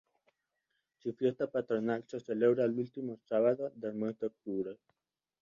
Su fiesta patronal se celebra el último sábado del mes de octubre.